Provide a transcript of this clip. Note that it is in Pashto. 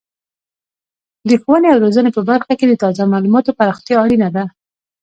د ښوونې او روزنې په برخه کې د تازه معلوماتو پراختیا اړینه ده.